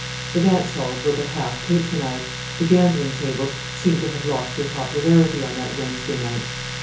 The dance halls were but half patronized, the gambling tables seemed to have lost their popularity on that Wednesday night.